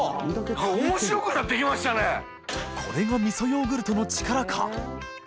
磴海譴味噌ヨーグルトの力か磴△